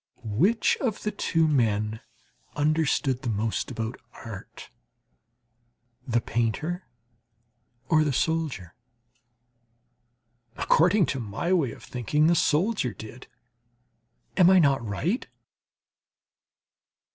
Which of the two men understood the most about art, the painter or the soldier? According to my way of thinking, the soldier did; am I not right?